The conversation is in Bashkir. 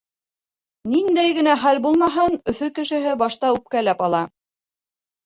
Ниндәй генә хәл булмаһын, Өфө кешеһе башта үпкәләп ала.